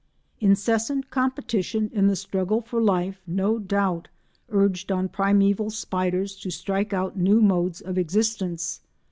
Incessant competition in the struggle for life no doubt urged on primeval spiders to strike out new modes of existence.